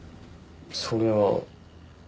それは。